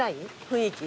雰囲気。